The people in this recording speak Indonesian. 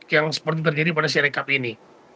yang seperti terjadi pada sirekap ini